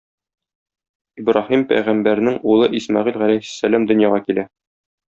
Ибраһим пәйгамбәрнең улы Исмәгыйль галәйһиссәлам дөньяга килә.